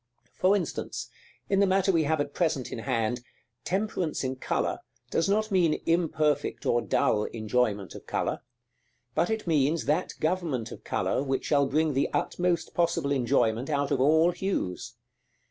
For instance, in the matter we have at present in hand, temperance in color does not mean imperfect or dull enjoyment of color; but it means that government of color which shall bring the utmost possible enjoyment out of all hues.